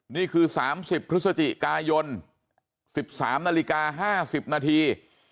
นี่คือ๓๐พฤศจิกายน๑๓นาฬิกา๕๐นาที